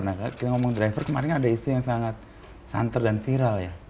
nah kita ngomong driver kemarin ada isu yang sangat santer dan viral ya